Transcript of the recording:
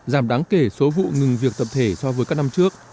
giảm đáng kể số vụ ngừng việc tập thể so với các năm trước